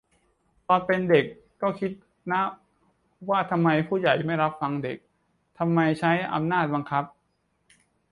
ตอนเป็นเด็กก็คิดนะ ว่าทำไมผู้ใหญ่ไม่รับฟังเด็ก ทำไมใช้อำนาจบังคับ